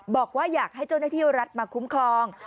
บอกว่าอยากให้เจ้าหน้าที่รัฐมาคุ้มครอง